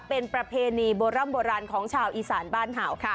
เป็นประเพณีโบร่ำโบราณของชาวอีสานบ้านเห่าค่ะ